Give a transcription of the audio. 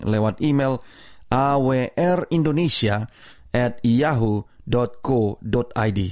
lewat email awrindonesia at yahoo co id